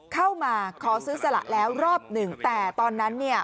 เข้ามาขอซื้อสละแล้วรอบหนึ่งแต่ตอนนั้นเนี่ย